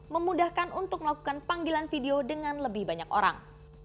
memudahkan untuk melakukan panggilan video dengan lebih banyak orang